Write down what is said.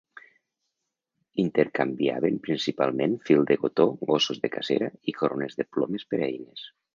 Intercanviaven principalment fil de cotó, gossos de cacera i corones de plomes per eines.